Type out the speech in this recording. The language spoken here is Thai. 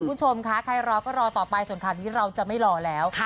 คุณผู้ชมคะใครรอก็รอต่อไปส่วนข่าวนี้เราจะไม่รอแล้ว